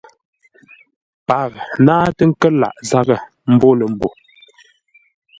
Paghʼə náatə́ ńkə́r lâʼ zághʼə mbô lə̂ mbô.